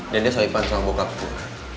dan dia saipan sama bokap gue